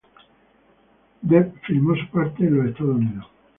Dev filmó su parte en los Estados Unidos.